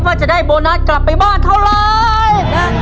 ว่าจะได้โบนัสกลับไปบ้านเท่าไร